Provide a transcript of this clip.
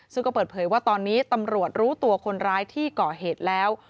ซึ่งก็เปิดเผยว่าตอนนี้ตำรวจรู้ตัวคนร้ายที่ก่อเหตุแล้ว